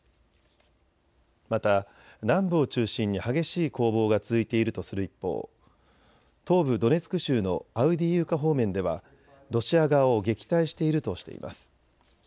また南部を中心に激しい攻防が続いているとする一方、東部ドネツク州のアウディーイウカ方面ではロシア側を撃退しているとしています。